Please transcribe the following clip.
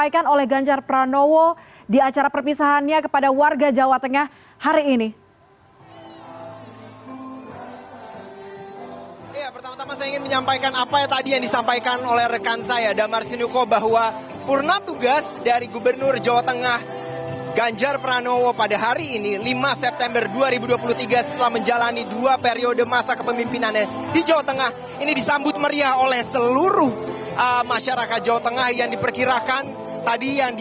kepada warga jawa tengah hari ini